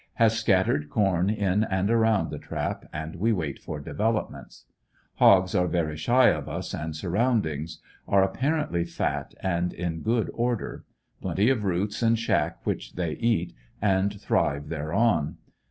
Has scattered corn in and around the trap, and we wait for developments. Hogs are very shy of us and sur roundings. Are apparently fat and in good order. Plenty of roots and shack which they eat, and thrive thereon.